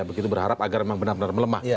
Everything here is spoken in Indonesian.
begitu berharap agar memang benar benar melemah